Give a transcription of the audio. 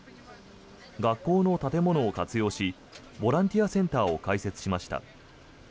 学校の建物を活用しボランティアセンターを開設しました。